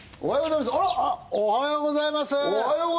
おはようございますあらっ！